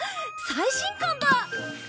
最新刊だ！